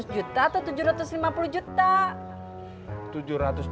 dua ratus juta atau tujuh ratus lima puluh juta